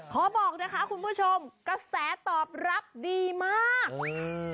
ขอบอกนะคะคุณผู้ชมกระแสตอบรับดีมากอืม